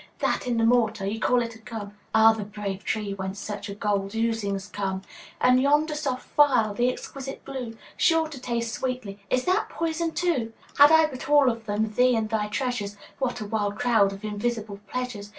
That in the mortar you call it a gum? Ah, the brave tree whence such gold oozings come! And yonder soft phial, the exquisite blue, Sure to taste sweetly, is that poison, too? Had I but all of them, thee and thy treasures, What a wild crowd of Invisible pleasures!